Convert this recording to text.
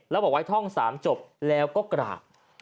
แล้วบอกไว้ท่อง๓จบแล้วก็กราบ